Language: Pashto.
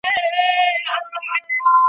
قلمي خط د علمي فقر د له منځه وړلو وسیله ده.